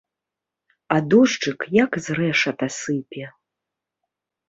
А дожджык як з рэшата сыпе.